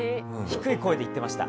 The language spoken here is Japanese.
低い声で言ってました。